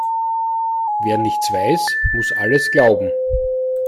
Wer nichts weiß, muss alles glauben.